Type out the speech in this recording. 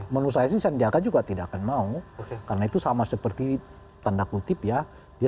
menurut saya sih sandiaga juga tidak akan mau karena itu sama seperti tanda kutip ya